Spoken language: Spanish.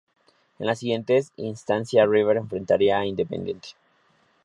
En la siguiente instancia River enfrentaría a Independiente.